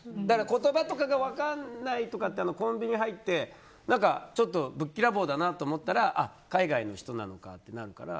言葉とか分からないとかコンビニに入ってぶっきらぼうだなと思ったら海外の人なのかってなるから。